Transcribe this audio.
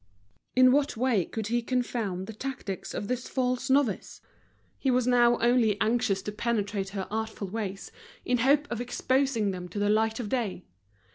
In what way could he confound the tactics of this false novice? He was now only anxious to penetrate her artful ways, in the hope of exposing them to the light of day.